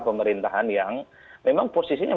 pemerintahan yang memang posisinya